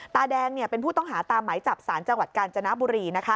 ตาแดงเป็นผู้ต้องหาตามหมายจับสารจังหวัดกาญจนบุรี